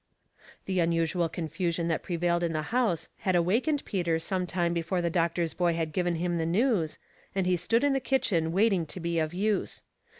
The unusual confusion that prevailed in the house had awak ened Peter some time before the doctor's boy had given him the news, and he stood in the kitchen waiting to be of use.